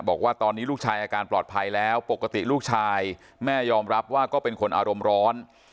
บอกว่าตอนนี้ลูกชายอาการปลอดภัยแล้วปกติลูกชายแม่ยอมรับว่าก็เป็นคนอารมณ์ร้อน